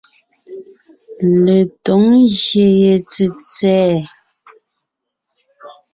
Letǒŋ ngyè ye tsètsɛ̀ɛ.